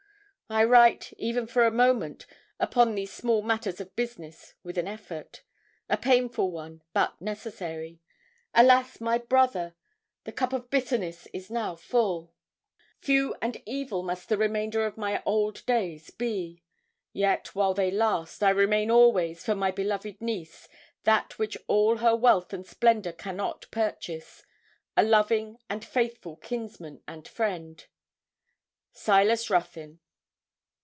I write, even for a moment, upon these small matters of business with an effort a painful one, but necessary. Alas! my brother! The cup of bitterness is now full. Few and evil must the remainder of my old days be. Yet, while they last, I remain always for my beloved niece, that which all her wealth and splendour cannot purchase a loving and faithful kinsman and friend, SILAS RUTHYN.'